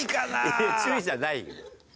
いやいや注意じゃないよ。